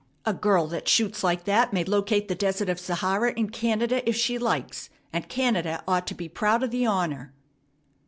A girl that shoots like that may locate the Desert of Sahara in Canada if she likes, and Canada ought to be proud of the honor."